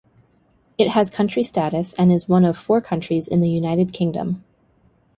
It has country status and is one of four countries in the United Kingdom.